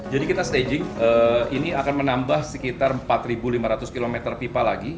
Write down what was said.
jadi kita staging ini akan menambah sekitar empat ribu lima ratus kilometer pipa lagi